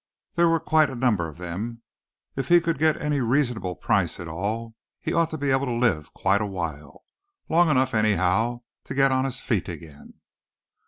There were quite a number of them. If he could get any reasonable price at all he ought to be able to live quite awhile long enough anyhow to get on his feet again.